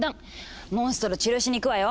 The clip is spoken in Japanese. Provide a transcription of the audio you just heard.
モンストロ治療しに行くわよ。